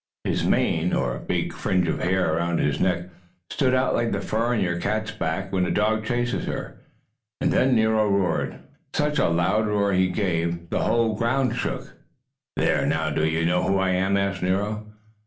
His mane, or big fringe of hair around his neck, stood out like the fur on your cat's back when a dog chases her, and then Nero roared. Oh, such a loud roar as he gave! The ground shook. "There! Now do you know who I am?" asked Nero.